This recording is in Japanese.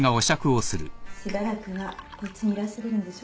しばらくはこっちにいらっしゃるんでしょ？